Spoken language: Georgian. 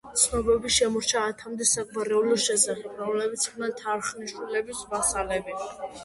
ცნობები შემორჩა ათამდე საგვარეულოს შესახებ რომლებიც იყვნენ თარხნიშვილების ვასალები.